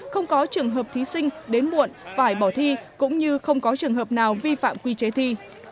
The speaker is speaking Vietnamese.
không có trường hợp thí sinh đến muộn phải bỏ thi cũng như không có trường hợp nào vi phạm quy chế thi